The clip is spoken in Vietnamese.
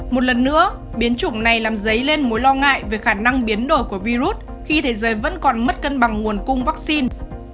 một lần nữa biến chủng này làm dấy lên mối lo ngại về khả năng biến đổi của virus khi thế giới vẫn còn mất cân bằng nguồn cung vaccine